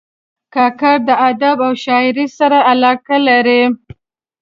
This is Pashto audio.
کاکړ د ادب او شاعرۍ سره علاقه لري.